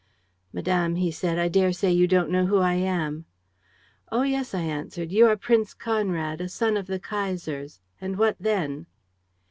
"'Madame,' he said, 'I daresay you don't know who I am?' "'Oh, yes!' I answered. 'You are Prince Conrad, a son of the Kaiser's. And what then?'